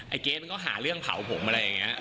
ไอ้เก๊มมันก็หาเรื่องเผาผมอะไรอย่างเงี้ย